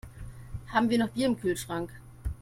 Haben wir noch Bier im Kühlschrank?